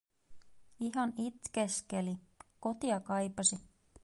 Ihan itkeskeli, kotia kaipasi.